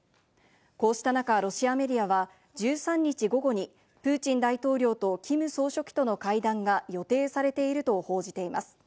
こうした中、ロシアメディアは１３日午後にプーチン大統領とキム総書記との会談が予定されていると報じています。